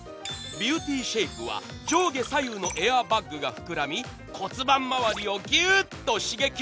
ビューティーシェイプは上下左右のエアバッグが膨らみ、骨盤回りをギュッと刺激。